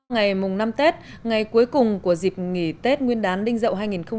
ngày mùng năm tết ngày cuối cùng của dịp nghỉ tết nguyên đán đinh dậu hai nghìn hai mươi